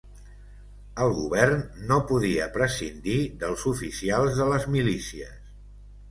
El Govern, no podia prescindir dels oficials de les milícies